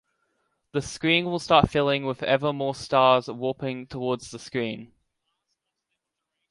The screen will start filling with ever more stars warping towards the screen.